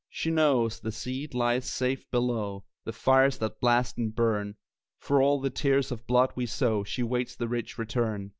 She knows the seed lies safe below The fires that blast and burn; For all the tears of blood we sow She waits the rich return.